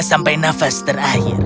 sampai nafas terakhir